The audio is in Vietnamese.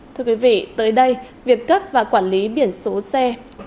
thưa quý vị tới đây việc cấp và quản lý biển số xe